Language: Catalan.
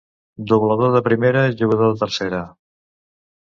Doblador de primera, jugador de tercera.